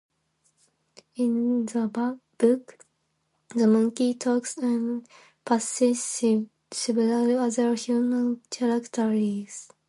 In the book, the monkey talks and possesses several other human characteristics.